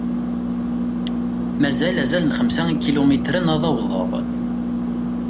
Mazal azal n xemsa n ikilumitren ad awḍeɣ.